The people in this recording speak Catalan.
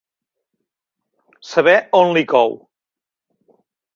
Saber on li cou.